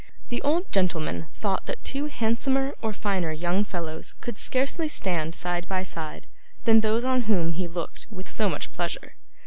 The old gentleman thought that two handsomer or finer young fellows could scarcely stand side by side than those on whom he looked with so much pleasure.